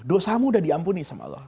dosamu sudah diampuni oleh allah